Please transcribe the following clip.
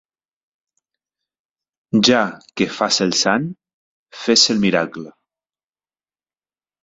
Ja que fas el sant, fes el miracle.